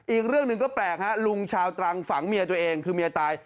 อีกเรื่องหนึ่งก็แปลกฮะลุงชาวตรังฝังเมียตัวเองคือเมียตาย